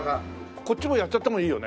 こっちもやっちゃってもいいよね。